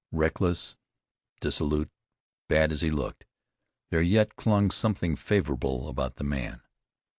Reckless, dissolute, bad as he looked, there yet clung something favorable about the man.